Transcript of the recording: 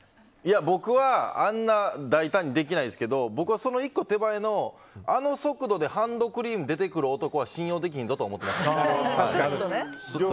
僕はあんな大胆にできないですけど僕は１個手前のあの速度でハンドクリーム出てくる男は信用できへんぞって思ってました。